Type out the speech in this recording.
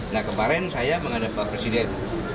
nah kemarin saya menghadap pak presiden